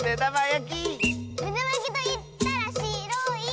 「めだまやきといったらしろい！」